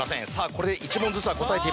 これで１問ずつは答えています。